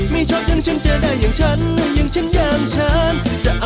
สิ้นแพ้